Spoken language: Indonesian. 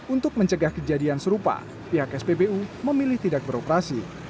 untuk mencegah kejadian serupa pihak spbu memilih tidak beroperasi